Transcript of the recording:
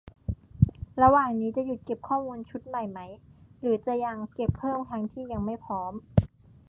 - ระหว่างนี้ จะหยุดเก็บข้อมูลชุดใหม่ไหม หรือจะยังเก็บเพิ่มทั้งที่ยังไม่พร้อม